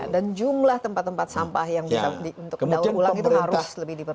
dan jumlah tempat tempat sampah yang bisa dihulingkan harus lebih diperbaiki